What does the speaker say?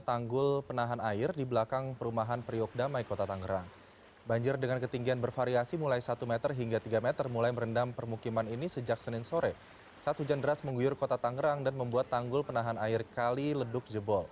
terima kasih sudah bergabung bersama kami malam ini pak selamat malam